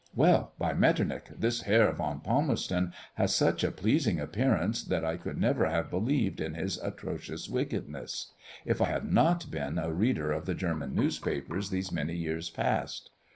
Well, by Metternich! this Herr von Palmerston has such a pleasing appearance, that I could never have believed in his atrocious wickedness, if I had not been a reader of the German newspapers these many years past.